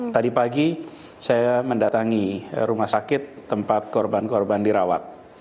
tadi pagi saya mendatangi rumah sakit tempat korban korban dirawat